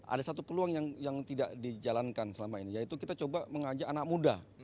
ada satu peluang yang tidak dijalankan selama ini yaitu kita coba mengajak anak muda